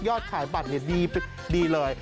ขายบัตรดีเลย